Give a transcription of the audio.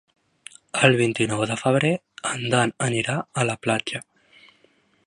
El vint-i-nou de febrer en Dan anirà a la platja.